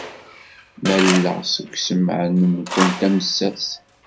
Malleɣ seg ussemɛen-nwent amessas.